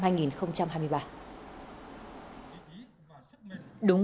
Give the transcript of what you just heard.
đúng bởi quý vị và các bạn